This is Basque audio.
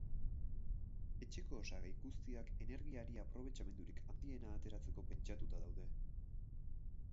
Etxeko osagai guztiak energiari aprobetxamendurik handiena ateratzeko pentsatuta daude.